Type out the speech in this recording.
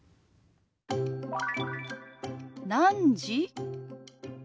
「何時？」。